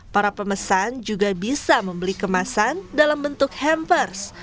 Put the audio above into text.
para pemesan juga bisa membeli kemasan dalam bentuk hampers